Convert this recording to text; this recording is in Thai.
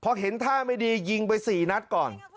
พอเห็นท่าไม่ดียิงไป๔นัดก่อน